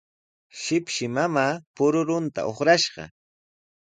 Shipshi mamaa pirurunta uqrashqa.